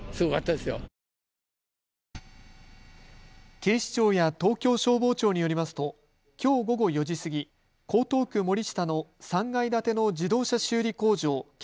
警視庁や東京消防庁によりますときょう午後４時過ぎ江東区森下の３階建ての自動車修理工場兼